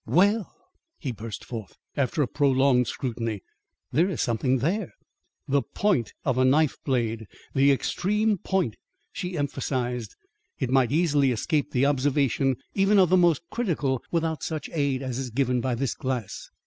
"Well," he burst forth, after a prolonged scrutiny, "there is something there." "The point of a knife blade. The extreme point," she emphasised. "It might easily escape the observation even of the most critical, without such aid as is given by this glass."